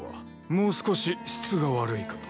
もう少し質が悪いかと。